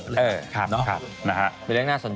น่ะเป็นเรื่องน่าสนใจเพราะว่าเกี่ยวกับเรื่องน้ำโอเค